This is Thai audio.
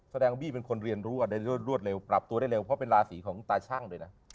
บี้เป็นคนเรียนรู้รวดเร็วปรับตัวได้เร็วเพราะเป็นราศีของตาชั่งด้วยนะ